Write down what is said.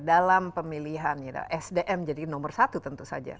dalam pemilihan sdm jadi nomor satu tentu saja